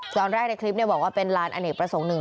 ตอนแรกในคลิปเนี่ยบอกว่าเป็นลานอเนกประสงค์